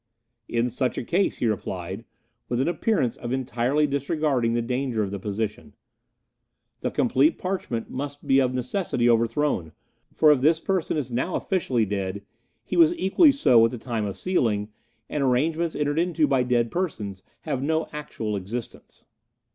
"In such a case," he replied, with an appearance of entirely disregarding the danger of the position, "the complete parchment must be of necessity overthrown; for if this person is now officially dead, he was equally so at the time of sealing, and arrangements entered into by dead persons have no actual existence."